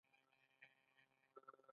پر تاسو به شیان پلوري، ځان ترې وساتئ.